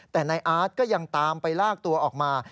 แต่นายอาร์ตก็ยังตามไปลากตัวออกมา